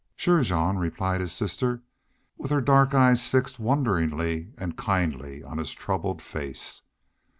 "Sure, Jean," replied his sister, with her dark eyes fixed wonderingly and kindly on his troubled face.